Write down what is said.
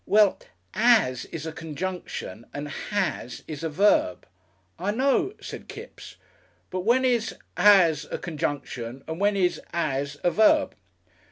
"Well, 'as' is a conjunction and 'has' is a verb." "I know," said Kipps, "but when is 'has' a conjunction and when is 'as' a verb?"